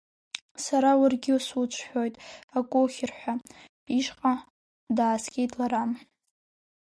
Сара уаргьы суцәшәоит, ак ухьыр ҳәа, ишҟа дааскьеит лара.